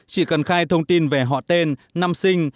chỉ cần khai thông tin về họ tên năm sinh